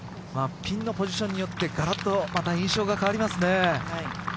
ピンのポジションによってがらっと印象が変わりますね。